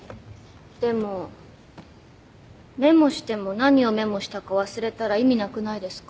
でもメモしても何をメモしたか忘れたら意味なくないですか？